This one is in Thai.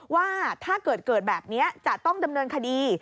ว่าถ้าเกิดเกิดแบบนี้จะต้องดำเนินคดี